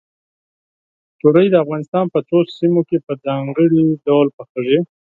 تورۍ د افغانستان په څو سیمو کې په ځانګړي ډول پخېږي.